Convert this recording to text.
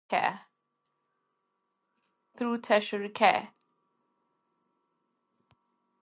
The practice specializes in treating difficult cases through tertiary care.